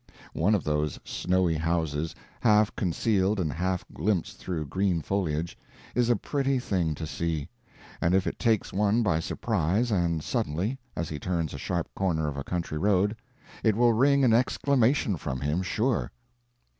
One of those snowy houses, half concealed and half glimpsed through green foliage, is a pretty thing to see; and if it takes one by surprise and suddenly, as he turns a sharp corner of a country road, it will wring an exclamation from him, sure.